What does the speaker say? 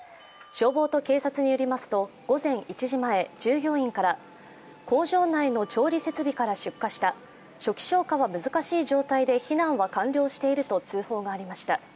消防と警察によりますと午前１時前従業員から工場内の調理設備から出火した、初期消火は難しい状態で避難は完了していると通報がありました。